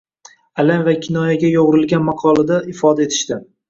Alam va kinoyaga yo‘g‘rilgan maqolida ifoda etishdi